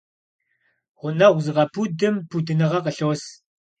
Гъунэгъу зыгъэпудым пудыныгъэ къылъос.